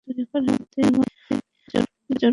এঁদের মধ্যে উনিশজন হলেন নেতৃস্থানীয়।